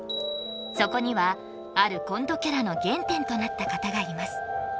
そこにはあるコントキャラの原点となった方がいます